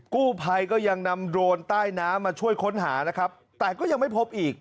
กู้ภัยก็ยังนำโดรนใต้น้ำมาช่วยค้นหานะครับแต่ก็ยังไม่พบอีก